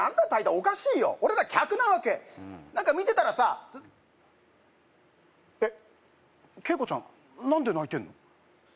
おかしいよ俺ら客なわけ何か見てたらさえっケイコちゃん何で泣いてんの？